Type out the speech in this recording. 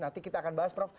nanti kita akan bahas prof